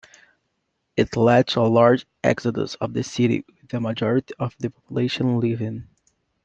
It led to a large exodus of the city, with a majority of the population leaving.